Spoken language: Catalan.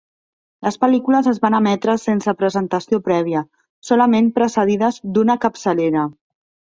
Les pel·lícules es van emetre sense presentació prèvia, solament precedides d'una capçalera.